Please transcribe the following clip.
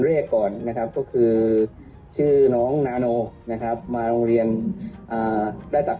เรียกก่อนนะครับก็คือชื่อน้องนาโนนะครับมาโรงเรียนได้จาก